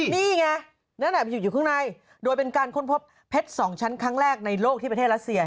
นี่ไงนั่นอยู่ข้างในโดยเป็นการค้นพบเพชรสองชั้นครั้งแรกในโลกที่ประเทศรัสเซีย